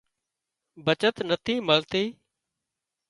بچت نٿِي مۯتي